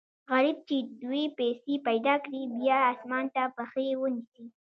غریب چې دوې پیسې پیدا کړي، بیا اسمان ته پښې و نیسي.